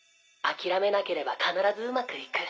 諦めなければ必ずうまくいく。